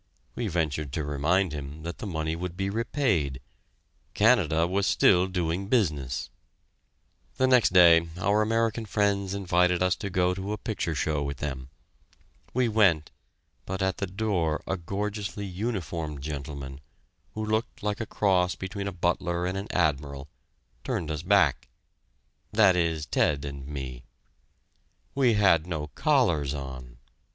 We ventured to remind him that the money would be repaid Canada was still doing business! The next day our American friends invited us to go to a picture show with them. We went, but at the door a gorgeously uniformed gentleman, who looked like a cross between a butler and an admiral, turned us back that is, Ted and me. We had no collars on!